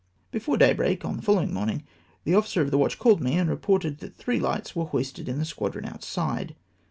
Before daybreak on the following morning the offi cer of the watch called me, and reported that three lights were hoisted in the squadron outside.